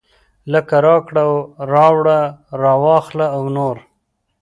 لکه راکړه راوړه راواخله او نور.